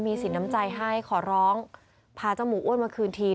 สินน้ำใจให้ขอร้องพาเจ้าหมูอ้วนมาคืนที